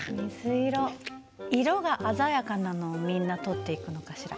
いろがあざやかなのをみんなとっていくのかしら。